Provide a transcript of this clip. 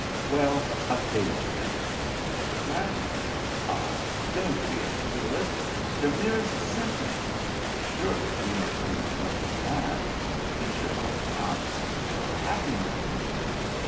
"Well, a page then, a paragraph? Ah! don't be obdurate. The merest sentence? Surely we may claim as much as that? Picture our pride, our happiness."